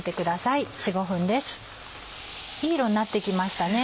いい色になって来ましたね。